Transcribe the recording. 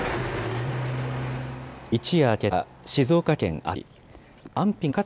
一夜明けた静岡県熱海市。